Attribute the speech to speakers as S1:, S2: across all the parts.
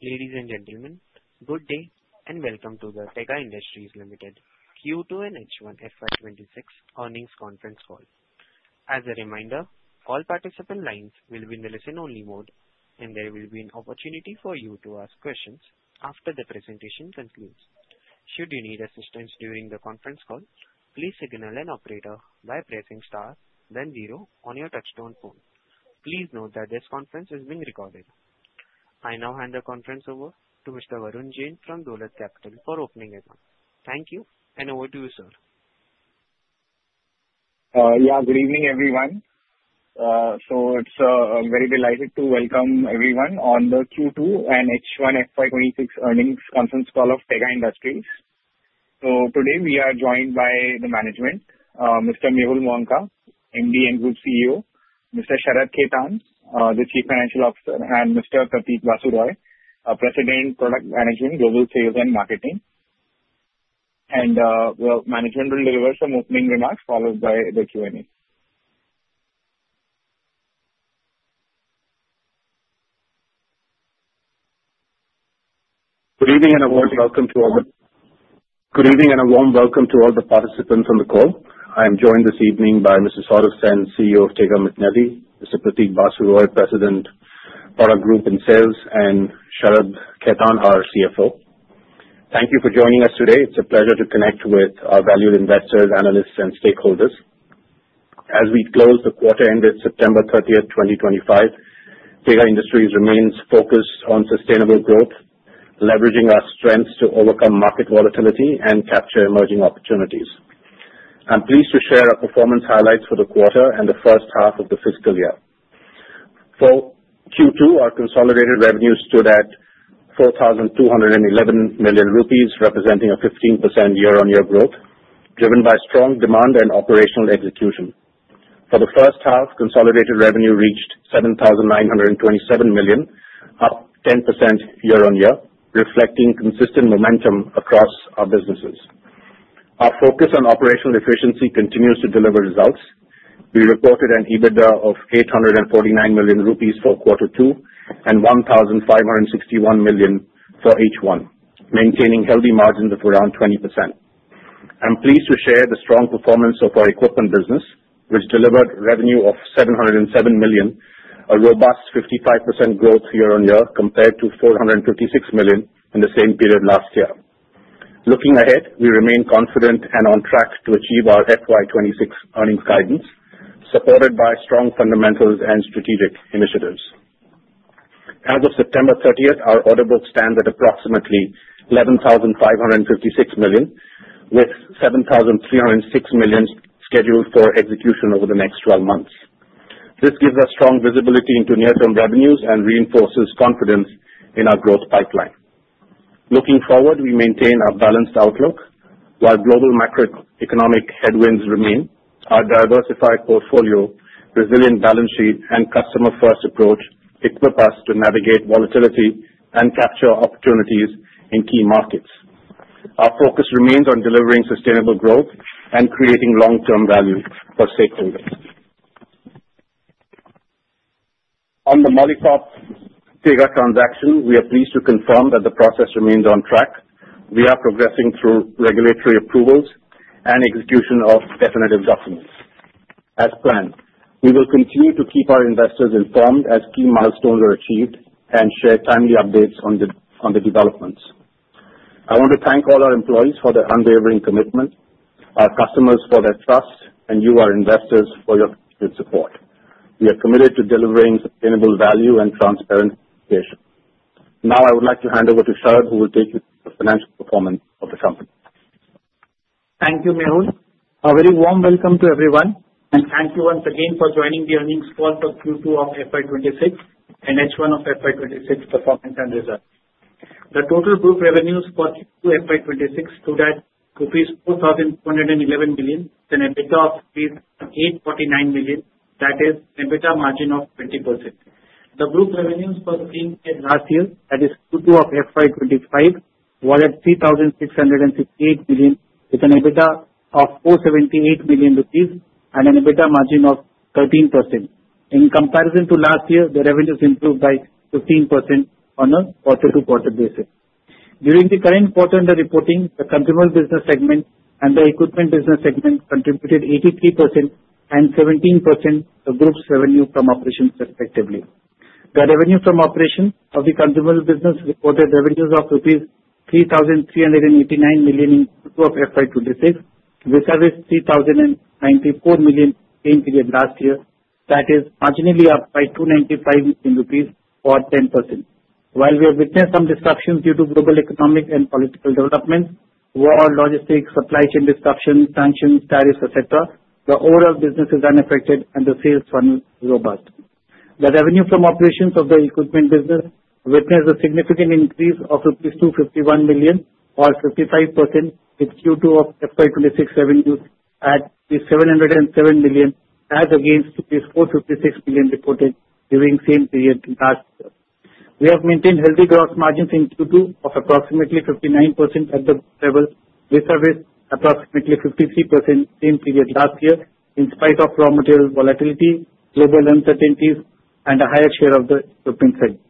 S1: Ladies and gentlemen, good day and welcome to the Tega Industries Limited Q2 and H1 FY 2026 Earnings Conference Call. As a reminder, all participant lines will be in the listen-only mode, and there will be an opportunity for you to ask questions after the presentation concludes. Should you need assistance during the conference call, please signal an operator by pressing *, then 0 on your touch-tone phone. Please note that this conference is being recorded. I now hand the conference over to Mr. Varun Jain from Dolat Capital for opening remarks. Thank you, and over to you, sir.
S2: Yeah, good evening, everyone. So it's very delighted to welcome everyone on the Q2 and H1 FY 2026 Earnings Conference Call of Tega Industries. So today we are joined by the management, Mr. Mehul Mohanka, MD and Group CEO, Mr. Sharath Khaitan, the Chief Financial Officer, and Mr. Pratik Basu Roy, President, Product Management, Global Sales and Marketing. And management will deliver some opening remarks followed by the Q&A.
S3: Good evening and a warm welcome to all the. Hello. Good evening and a warm welcome to all the participants on the call. I am joined this evening by Mr. Sourav Sen, CEO of Tega McNally, Mr. Pratik Basu Roy, President, Product Group and Sales, and Sharath Khaitan, our CFO. Thank you for joining us today. It's a pleasure to connect with our valued investors, analysts, and stakeholders. As we close the quarter-ended September 30th, 2025, Tega Industries remains focused on sustainable growth, leveraging our strengths to overcome market volatility and capture emerging opportunities. I'm pleased to share our performance highlights for the quarter and the first half of the fiscal year. For Q2, our consolidated revenues stood at 4,211 million rupees, representing a 15% year-on-year growth, driven by strong demand and operational execution. For the first half, consolidated revenue reached 7,927 million, up 10% year-on-year, reflecting consistent momentum across our businesses. Our focus on operational efficiency continues to deliver results. We reported an EBITDA of 849 million rupees for quarter two and 1,561 million for H1, maintaining healthy margins of around 20%. I'm pleased to share the strong performance of our equipment business, which delivered revenue of INR 707 million, a robust 55% growth year-on-year compared to INR 456 million in the same period last year. Looking ahead, we remain confident and on track to achieve our FY 2026 earnings guidance, supported by strong fundamentals and strategic initiatives. As of September 30th, our order book stands at approximately 11,556 million, with 7,306 million scheduled for execution over the next 12 months. This gives us strong visibility into near-term revenues and reinforces confidence in our growth pipeline. Looking forward, we maintain a balanced outlook. While global macroeconomic headwinds remain, our diversified portfolio, resilient balance sheet, and customer-first approach equip us to navigate volatility and capture opportunities in key markets. Our focus remains on delivering sustainable growth and creating long-term value for stakeholders. On the Molycop-Tega transaction, we are pleased to confirm that the process remains on track. We are progressing through regulatory approvals and execution of definitive documents. As planned, we will continue to keep our investors informed as key milestones are achieved and share timely updates on the developments. I want to thank all our employees for their unwavering commitment, our customers for their trust, and you, our investors, for your support. We are committed to delivering sustainable value and transparent communication. Now, I would like to hand over to Sharath, who will take you through the financial performance of the company.
S4: Thank you, Mehul. A very warm welcome to everyone, and thank you once again for joining the earnings call for Q2 of FY 2026 and H1 of FY 2026 performance and results. The total group revenues for Q2 FY 2026 stood at INR 4,211 million, with an EBITDA of rupees 849 million. That is an EBITDA margin of 20%. The group revenues for the same year as last year, that is Q2 of FY 2025, were at 3,658 million, with an EBITDA of 478 million rupees and an EBITDA margin of 13%. In comparison to last year, the revenues improved by 15% on a quarter-to-quarter basis. During the current quarter-end reporting, the consumer business segment and the equipment business segment contributed 83% and 17% of the group's revenue from operations, respectively. The revenue from operations of the consumer business reported revenues of rupees 3,389 million in Q2 of FY 2026, which is 3,094 million same period last year. That is marginally up by 295 million rupees or 10%. While we have witnessed some disruptions due to global economic and political developments, war, logistics, supply chain disruptions, sanctions, tariffs, etc., the overall business is unaffected, and the sales run robust. The revenue from operations of the equipment business witnessed a significant increase of rupees 251 million, or 55%, with Q2 of FY 2026 revenues at 707 million, as against rupees 456 million reported during the same period last year. We have maintained healthy gross margins in Q2 of approximately 59% at the group level, which is approximately 53% same period last year, in spite of raw material volatility, global uncertainties, and a higher share of the equipment segment.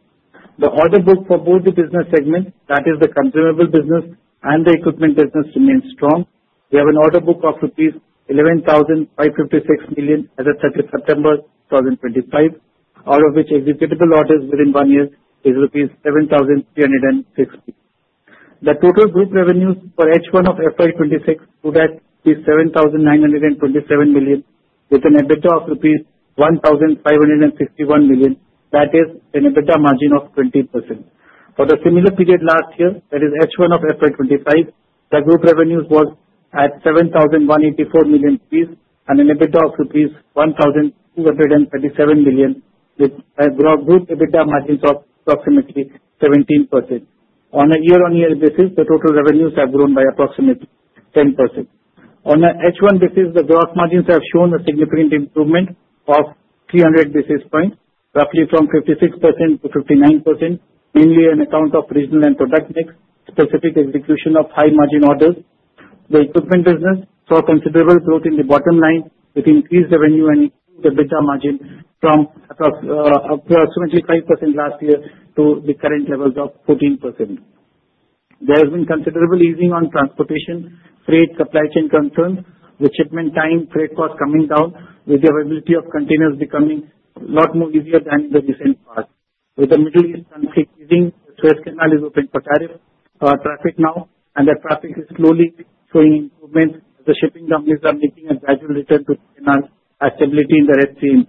S4: The order book for both the business segments, that is the consumable business and the equipment business, remains strong. We have an order book of rupees 11,556 million as of 30 September 2025, out of which executable orders within one year is rupees 7,360. The total group revenues for H1 of FY 2026 stood at 7,927 million, with an EBITDA of rupees 1,561 million. That is an EBITDA margin of 20%. For the similar period last year, that is H1 of FY 2025, the group revenues were at 7,184 million rupees and an EBITDA of rupees 1,237 million, with group EBITDA margins of approximately 17%. On a year-on-year basis, the total revenues have grown by approximately 10%. On an H1 basis, the gross margins have shown a significant improvement of 300 basis points, roughly from 56% to 59%, mainly on account of regional and product mix, specific execution of high-margin orders. The equipment business saw considerable growth in the bottom line, with increased revenue and increased EBITDA margin from approximately 5% last year to the current levels of 14%. There has been considerable easing on transportation freight supply chain concerns, with shipment time freight costs coming down, with the availability of containers becoming a lot more easier than in the recent past. With the Middle East conflict easing, the Suez Canal is open for tariff traffic now, and the traffic is slowly showing improvement as the shipping companies are making a gradual return to the canal as stability in the Red Sea.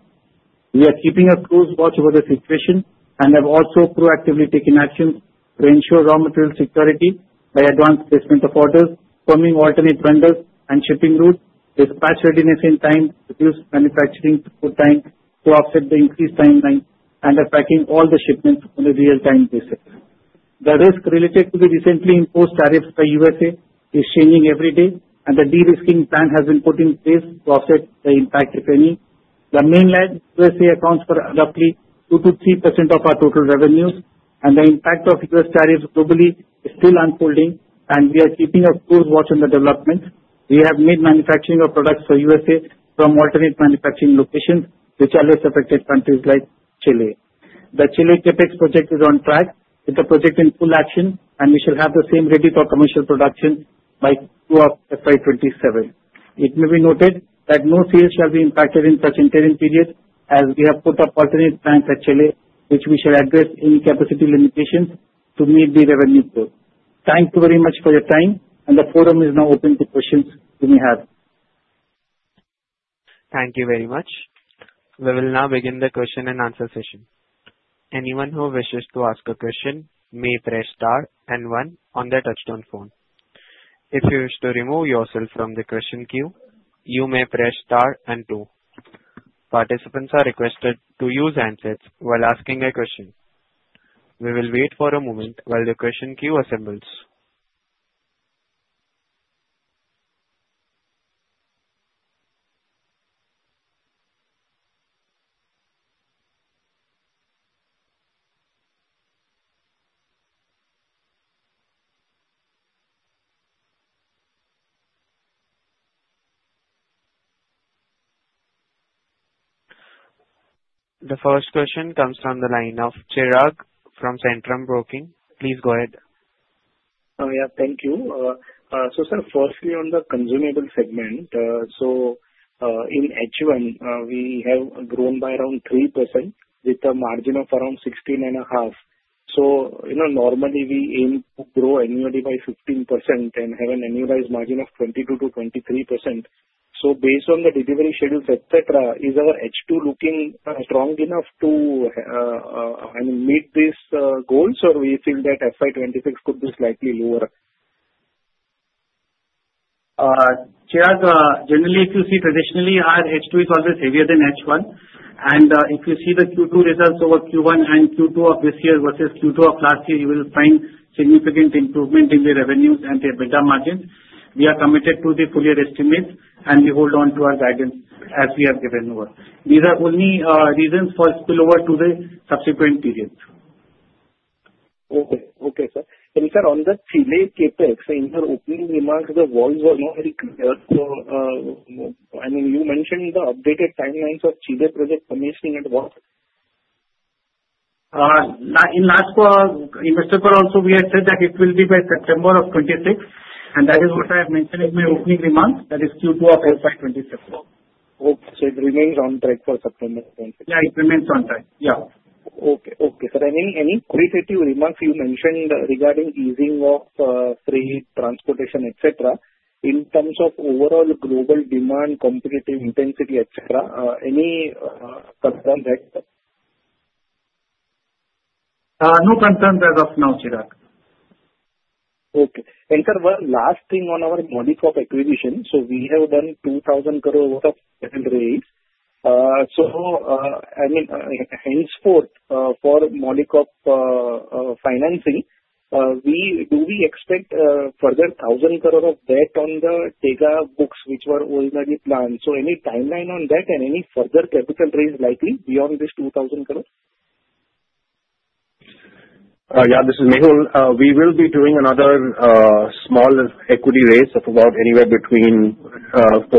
S4: We are keeping a close watch over the situation and have also proactively taken actions to ensure raw material security by advanced placement of orders, forming alternate vendors and shipping routes, dispatch readiness in time, reduced manufacturing through time to offset the increased timeline, and packing all the shipments on a real-time basis. The risk related to the recently imposed tariffs by the U.S.A. is changing every day, and the derisking plan has been put in place to offset the impact, if any. The mainland U.S.A. accounts for roughly 2%-3% of our total revenues, and the impact of US tariffs globally is still unfolding, and we are keeping a close watch on the development. We have made manufacturing of products for the U.S.A. from alternate manufacturing locations, which are less affected countries like Chile. The Chile CapEx project is on track with the project in full action, and we shall have the same ready for commercial production by Q2 of FY 2027. It may be noted that no sales shall be impacted in the present period, as we have put up alternate plans at Chile, which we shall address any capacity limitations to meet the revenue growth. Thank you very much for your time, and the forum is now open to questions you may have.
S1: Thank you very much. We will now begin the question and answer session. Anyone who wishes to ask a question may press * and 1 on the touch-tone phone. If you wish to remove yourself from the question queue, you may press * and 2. Participants are requested to use handsets while asking a question. We will wait for a moment while the question queue assembles. The first question comes from the line of Chirag from Centrum Broking. Please go ahead.
S5: Yeah, thank you. So sir, firstly, on the consumable segment, so in H1, we have grown by around 3% with a margin of around 16.5%. So normally, we aim to grow annually by 15% and have an annualized margin of 22%-23%. So based on the delivery schedules, etc., is our H2 looking strong enough to meet these goals, or do we feel that FY 2026 could be slightly lower?
S4: Chirag, generally, if you see traditionally, our H2 is always heavier than H1. And if you see the Q2 results over Q1 and Q2 of this year versus Q2 of last year, you will find significant improvement in the revenues and the EBITDA margin. We are committed to the full-year estimates, and we hold on to our guidance as we have given over. These are only reasons for spillover to the subsequent periods.
S5: Okay, okay, sir. And sir, on the Chile CapEx, in your opening remarks, the words were not very clear. So I mean, you mentioned the updated timelines of Chile project commissioning and what?
S4: In last investor call also, we had said that it will be by September of 2026, and that is what I have mentioned in my opening remarks, that is Q2 of FY 2027.
S5: Okay, so it remains on track for September 2026?
S4: Yeah, it remains on track. Yeah.
S5: Okay, okay, sir. Any qualitative remarks you mentioned regarding easing of freight transportation, etc., in terms of overall global demand, competitive intensity, etc., any concerns there?
S4: No concerns as of now, Chirag.
S5: Okay, and sir, last thing on our Molycop acquisition. So we have done 2,000 crore worth of raise. So I mean, henceforth, for Molycop financing, do we expect further 1,000 crore of debt on the Tega books, which were originally planned? So any timeline on that and any further capital raise likely beyond this 2,000 crore?
S3: Yeah, this is Mehul. We will be doing another small equity raise of about anywhere between 400-500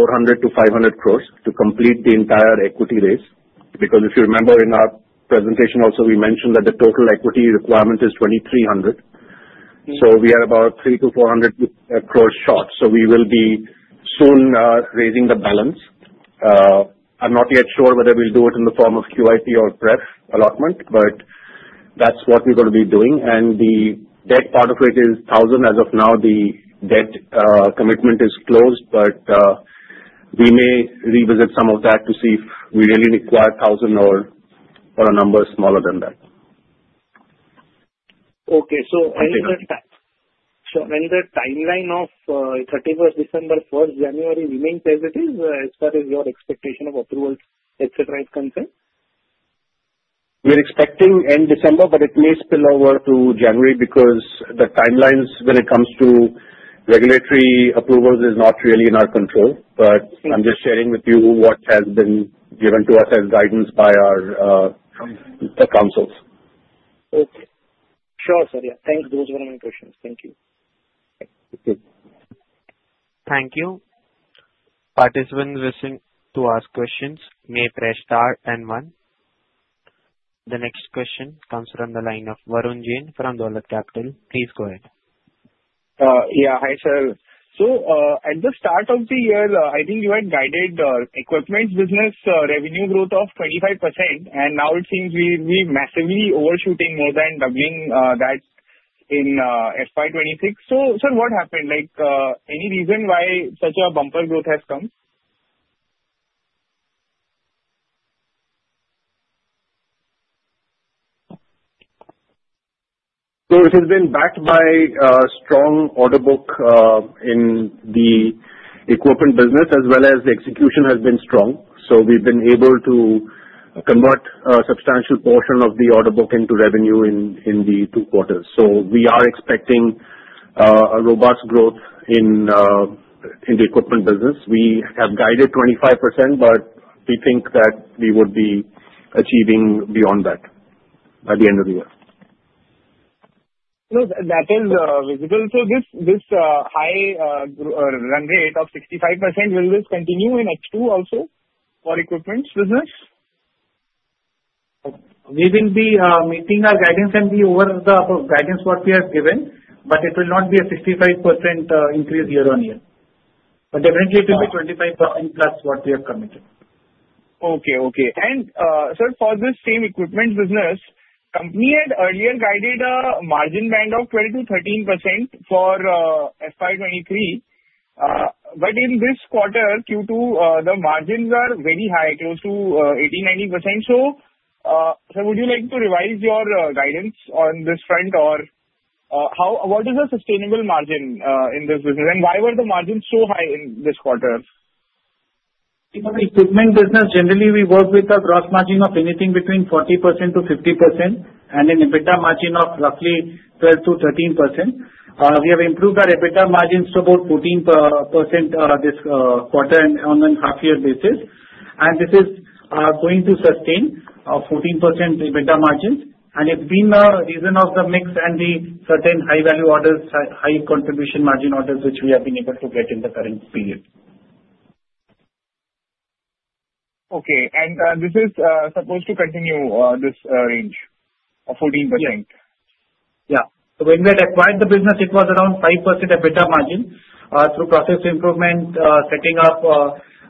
S3: crores to complete the entire equity raise. Because if you remember, in our presentation also, we mentioned that the total equity requirement is 2,300. So we are about 300-400 crores short. So we will be soon raising the balance. I'm not yet sure whether we'll do it in the form of QIP or pref allotment, but that's what we're going to be doing. And the debt part of it is 1,000. As of now, the debt commitment is closed, but we may revisit some of that to see if we really require 1,000 or a number smaller than that.
S5: Okay. So another timeline of 31st December, 1st January, remains as it is as far as your expectation of approval, etc., is concerned?
S3: We're expecting end December, but it may spill over to January because the timelines when it comes to regulatory approvals is not really in our control, but I'm just sharing with you what has been given to us as guidance by our counsel's.
S5: Okay. Sure, sir. Yeah, thanks. Those were my questions. Thank you.
S1: Thank you. Participants wishing to ask questions may press * and 1. The next question comes from the line of Varun Jain from Dolat Capital. Please go ahead.
S2: Yeah, hi sir. So at the start of the year, I think you had guided equipment business revenue growth of 25%, and now it seems we're massively overshooting, more than doubling that in FY 2026. So sir, what happened? Any reason why such a bumper growth has come?
S3: So it has been backed by a strong order book in the equipment business, as well as the execution has been strong. So we've been able to convert a substantial portion of the order book into revenue in the two quarters. So we are expecting a robust growth in the equipment business. We have guided 25%, but we think that we would be achieving beyond that by the end of the year.
S2: That is visible. So this high run rate of 65%, will this continue in H2 also for equipment business?
S4: We will be meeting our guidance and be over the guidance what we have given, but it will not be a 65% increase year on year. But definitely, it will be 25% plus what we have committed.
S2: Okay, okay. And sir, for this same equipment business, company had earlier guided a margin band of 12%-13% for FY 2023. But in this quarter, Q2, the margins are very high, close to 80%-90%. So sir, would you like to revise your guidance on this front, or what is the sustainable margin in this business, and why were the margins so high in this quarter?
S4: In the equipment business, generally, we work with a gross margin of anything between 40%-50% and an EBITDA margin of roughly 12%-13%. We have improved our EBITDA margins to about 14% this quarter and on a half-year basis. And this is going to sustain a 14% EBITDA margin. And it's been a reason of the mix and the certain high-value orders, high-contribution margin orders, which we have been able to get in the current period.
S2: Okay, and this is supposed to continue this range of 14%?
S4: Yeah. Yeah, so when we had acquired the business, it was around 5% EBITDA margin through process improvement, setting up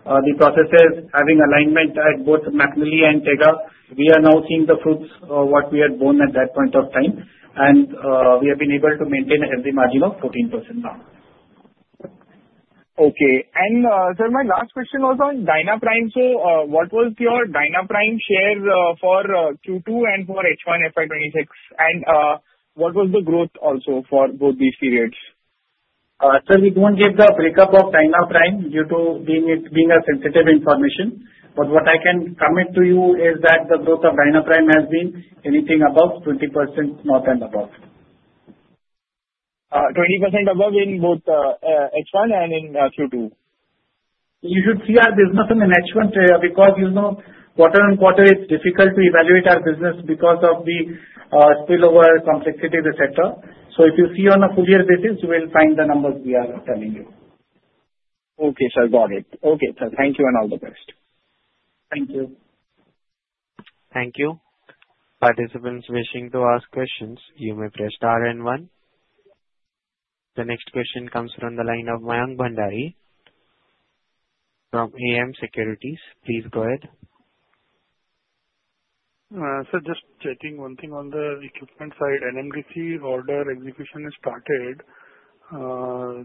S4: the processes, having alignment at both McNally and Tega. We are now seeing the fruits of what we had borne at that point of time, and we have been able to maintain a healthy margin of 14% now.
S2: Okay. And sir, my last question was on DynaPrime. So what was your DynaPrime share for Q2 and for H1 FY 2026? And what was the growth also for both these periods?
S4: Sir, we don't get the breakup of DynaPrime due to being a sensitive information. But what I can comment to you is that the growth of DynaPrime has been anything above 20%, not above.
S2: 20% above in both H1 and in Q2?
S4: You should see our business in an H1 because quarter on quarter, it's difficult to evaluate our business because of the spillover, complexity, etc. So if you see on a full-year basis, you will find the numbers we are telling you.
S2: Okay, sir. Got it. Okay, sir. Thank you and all the best.
S4: Thank you.
S1: Thank you. Participants wishing to ask questions, you may press * and 1. The next question comes from the line of Mayank Bhandari from AM Securities. Please go ahead.
S6: Sir, just checking one thing on the equipment side. NMDC order execution is started?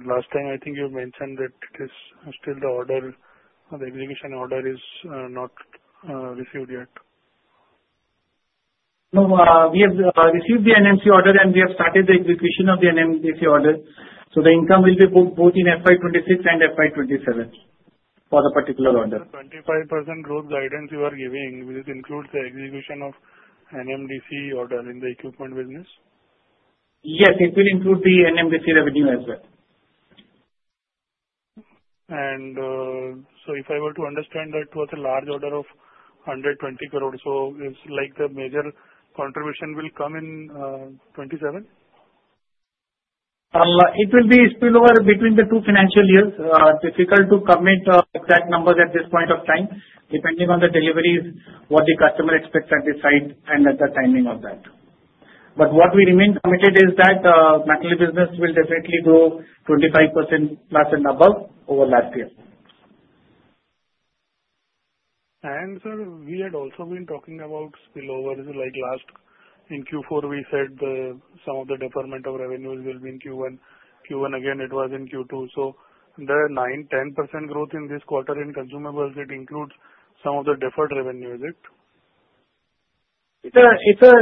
S6: Last time, I think you mentioned that it is still the order, the execution order is not received yet.
S4: No, we have received the NMDC order, and we have started the execution of the NMDC order. So the income will be booked both in FY 2026 and FY 2027 for the particular order.
S6: The 25% growth guidance you are giving, will it include the execution of NMDC order in the equipment business?
S4: Yes, it will include the NMDC revenue as well.
S6: And so if I were to understand that it was a large order of 120 crore, so it's like the major contribution will come in 27?
S4: It will be spillover between the two financial years. Difficult to comment on exact numbers at this point of time, depending on the deliveries, what the customer expects at this side and at the timing of that. But what we remain committed is that Tega McNally business will definitely grow 25% plus and above over last year.
S6: And, sir, we had also been talking about spillovers. Like last in Q4, we said some of the deferment of revenues will be in Q1. Q1 again, it was in Q2. So the 9%-10% growth in this quarter in consumables, it includes some of the deferred revenues, is it?
S4: It's a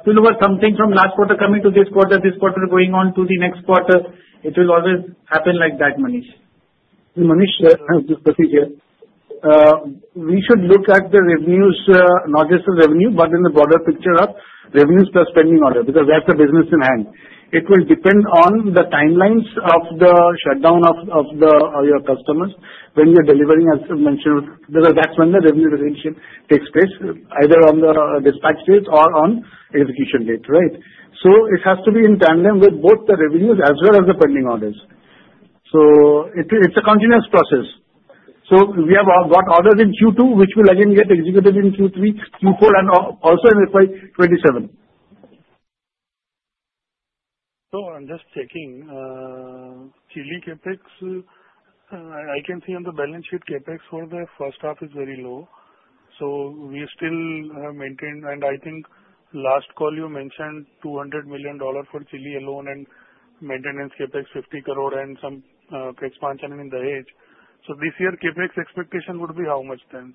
S4: spillover, something from last quarter coming to this quarter, this quarter going on to the next quarter. It will always happen like that, Manish.
S3: Manish, just to be clear, we should look at the revenues, not just the revenue, but in the broader picture of revenues plus pending order, because that's the business in hand. It will depend on the timelines of the shutdown of your customers when you're delivering, as you mentioned, because that's when the revenue recognition takes place, either on the dispatch date or on execution date, right? So it has to be in tandem with both the revenues as well as the pending orders. So it's a continuous process. So we have got orders in Q2, which will again get executed in Q3, Q4, and also in FY 2027.
S6: So I'm just checking. Chile CapEx, I can see on the balance sheet CapEx for the first half is very low. So we still have maintained, and I think last call you mentioned $200 million for Chile alone and maintenance CapEx 50 crore and some CapEx management in the hedge. So this year, CapEx expectation would be how much then?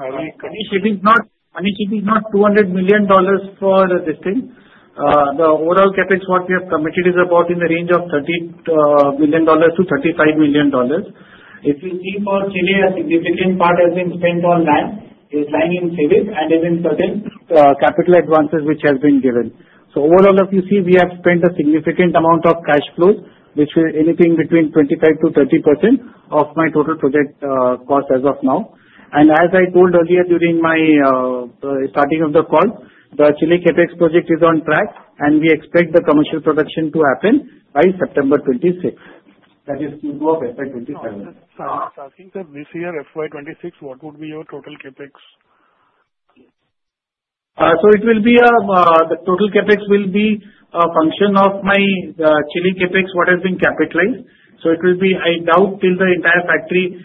S4: Manish, it is not $200 million for this thing. The overall CapEx what we have committed is about in the range of $30-$35 million. If you see for Chile, a significant part has been spent on land, is land in Chile, and is in certain capital advances which have been given. So overall, if you see, we have spent a significant amount of cash flow, which is anything between 25%-30% of my total project cost as of now, and as I told earlier during my starting of the call, the Chile CapEx project is on track, and we expect the commercial production to happen by September 26. That is Q2 of FY 2027.
S6: I think this year, FY 2026, what would be your total CapEx?
S4: So it will be the total CapEx will be a function of our Chile CapEx, what has been capitalized. So it will be, I doubt till the entire factory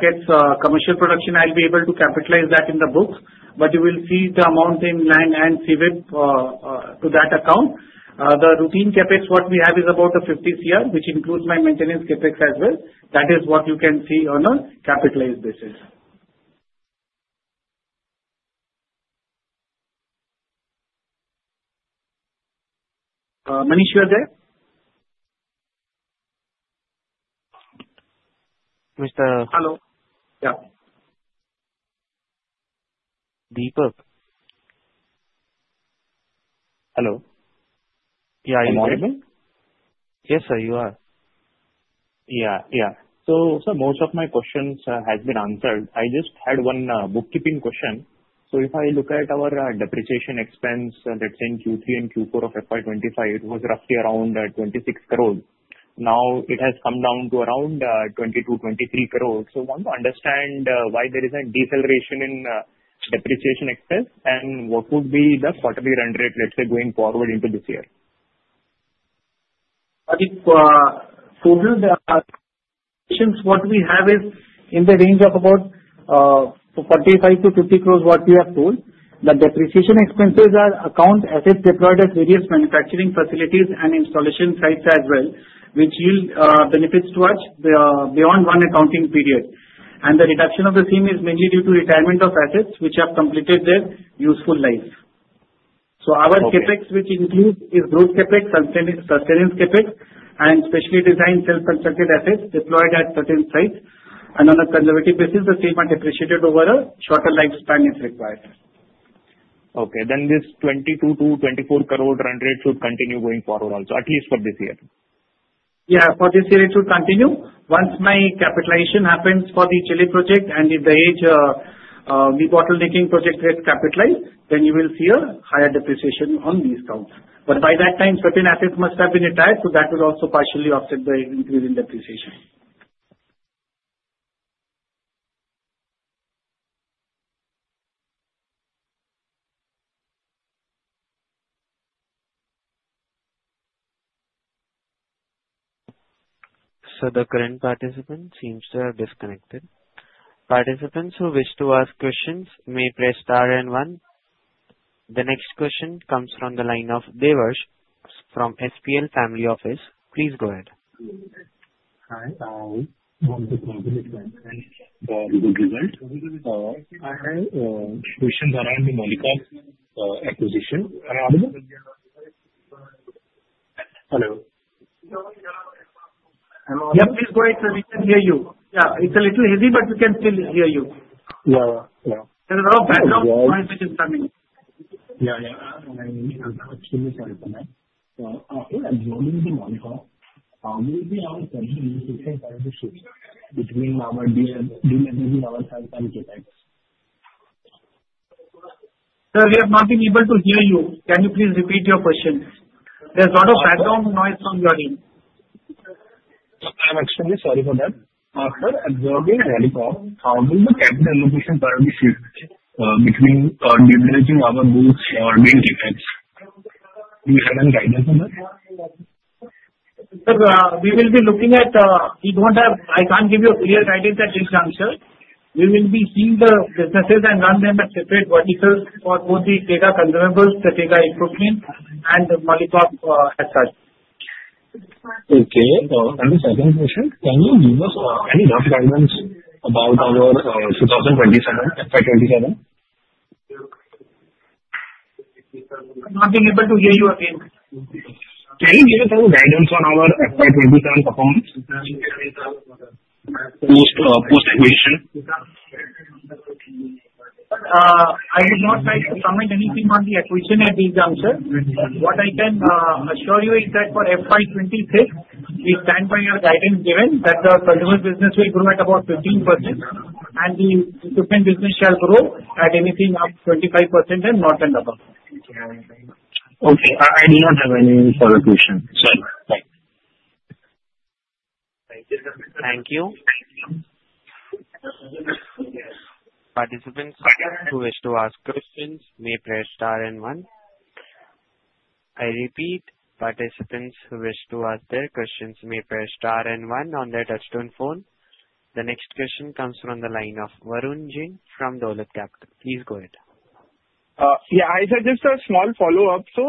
S4: gets commercial production, I'll be able to capitalize that in the books. But you will see the amount in land and CWIP to that account. The routine CapEx what we have is about 50 crore per year, which includes our maintenance CapEx as well. That is what you can see on a capitalized basis. Manish, you are there?
S1: Mr.
S7: Hello?
S1: Yeah. Deepak. Hello? Yeah, you're in? Yes, sir, you are.
S7: Yeah, yeah. So sir, most of my questions have been answered. I just had one bookkeeping question. So if I look at our depreciation expense, let's say in Q3 and Q4 of FY 2025, it was roughly around 26 crore. Now it has come down to around 22-23 crore. So I want to understand why there is a deceleration in depreciation expense and what would be the quarterly run rate, let's say, going forward into this year?
S4: Since what we have is in the range of about 45-50 crore, what we have told, the depreciation expenses account assets deployed at various manufacturing facilities and installation sites as well, which yield benefits to us beyond one accounting period. And the reduction of the same is mainly due to retirement of assets which have completed their useful life. So our CapEx, which includes growth CapEx, sustenance CapEx, and specially designed self-constructed assets deployed at certain sites. And on a conservative basis, the same are depreciated over a shorter lifespan if required.
S7: Okay. Then this 22-24 crore run rate should continue going forward also, at least for this year.
S4: Yeah, for this year, it should continue. Once my capitalization happens for the Chile project and if the edge debottlenecking project gets capitalized, then you will see a higher depreciation on these counts. But by that time, certain assets must have been retired, so that will also partially offset the increase in depreciation.
S1: So the current participant seems to have disconnected. Participants who wish to ask questions may press * and 1. The next question comes from the line of Devesh from SPL Family Office. Please go ahead.
S8: Hi. I want to confirm the result. I have questions around the Molycop acquisition. Hello. Hello.
S4: Yeah, please go ahead. We can hear you. Yeah, it's a little hazy, but we can still hear you.
S8: Yeah, yeah, yeah.
S4: There's a lot of background noise which is coming.
S8: Yeah, yeah. I'm actually sorry for that. After acquiring the Molycop, how will we have a continuous return partnership between our Dolat and between our Sayaji and CapEx?
S4: Sir, we have not been able to hear you. Can you please repeat your question? There's a lot of background noise from your end.
S8: I'm extremely sorry for that. After adjourning the Molycop, how will the capital allocation partnership between leveraging our books or main CapEx? Do you have any guidance on that?
S4: Sir, we will be looking at. We don't have. I can't give you a clear guidance at this juncture. We will be seeing the businesses and run them at separate verticals for both the Tega consumables, the Tega equipment, and the Molycop as such.
S8: Okay. And the second question, can you give us any rough guidance about our FY 2027?
S4: I'm not being able to hear you again.
S8: Can you give us any guidance on our FY 2027 performance post-acquisition?
S4: I would not like to comment anything on the acquisition at this juncture. What I can assure you is that for FY 2026, we stand by our guidance given that the consumer business will grow at about 15%, and the equipment business shall grow at anything up 25% and not above.
S8: Okay. I do not have any further questions. Sorry.
S1: Thank you. Participants who wish to ask questions may press * and 1. I repeat, participants who wish to ask their questions may press * and 1 on their touch-tone phone. The next question comes from the line of Varun Jain from Dolat Capital. Please go ahead.
S2: Yeah, I just have a small follow-up. So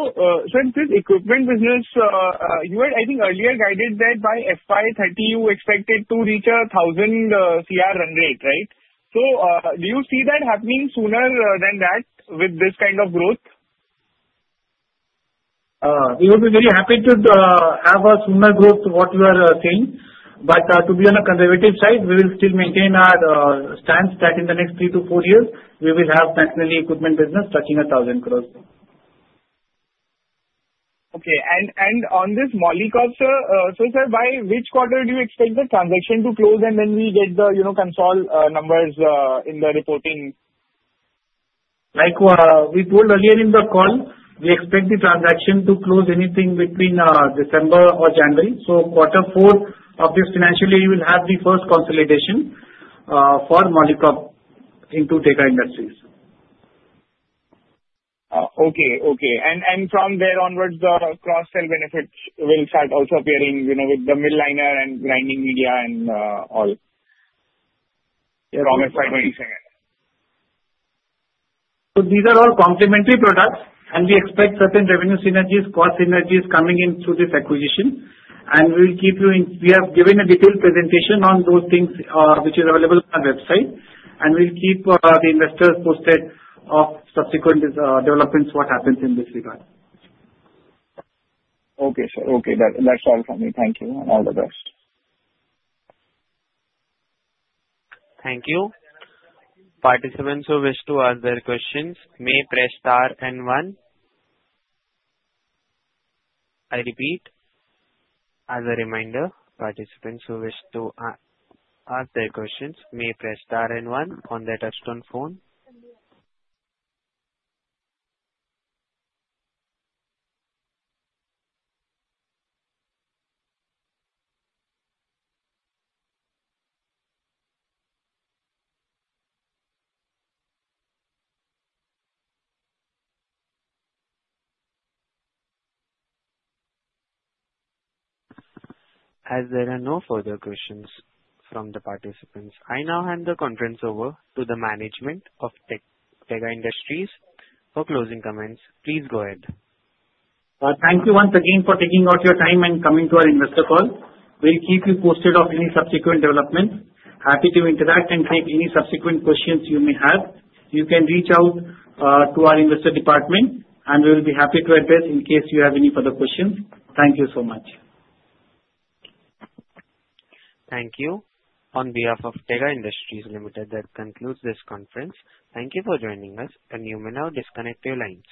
S2: sir, this equipment business, you had, I think, earlier guided that by FY 2030, you expected to reach a 1,000 CR run rate, right? So do you see that happening sooner than that with this kind of growth? We would be very happy to have a sooner growth to what you are saying. But to be on a conservative side, we will still maintain our stance that in the next three to four years, we will have McNally equipment business touching 1,000 crore. Okay. And on this Molycop sir, so sir, by which quarter do you expect the transaction to close and then we get the consolidated numbers in the reporting?
S4: Like we told earlier in the call, we expect the transaction to close anything between December or January. Quarter four of this financial year, you will have the first consolidation for Molycop into Tega Industries.
S2: Okay, okay. And from there onwards, the cross-sell benefits will start also appearing with the mill liner and grinding media and all from FY 2027.
S4: These are all complementary products, and we expect certain revenue synergies, cost synergies coming into this acquisition. We will keep you informed. We have given a detailed presentation on those things which is available on our website. We'll keep the investors posted of subsequent developments, what happens in this regard.
S2: Okay, sir. Okay. That's all from me. Thank you, and all the best.
S1: Thank you. Participants who wish to ask their questions may press * and 1. I repeat, as a reminder, participants who wish to ask their questions may press * and 1 on their touch-tone phone. As there are no further questions from the participants, I now hand the conference over to the management of Tega Industries for closing comments. Please go ahead.
S4: Thank you once again for taking out your time and coming to our investor call. We'll keep you posted of any subsequent developments. Happy to interact and take any subsequent questions you may have. You can reach out to our investor department, and we will be happy to address in case you have any further questions. Thank you so much.
S1: Thank you. On behalf of Tega Industries Limited, that concludes this conference. Thank you for joining us, and you may now disconnect your lines.